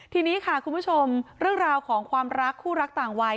ทีนี้ค่ะคุณผู้ชมเรื่องราวของความรักคู่รักต่างวัย